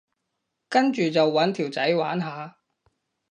跟住就搵條仔玩下